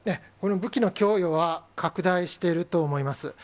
この武器の供与は拡大していると思います。